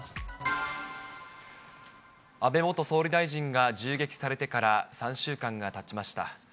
安倍元総理大臣が銃撃されてから３週間がたちました。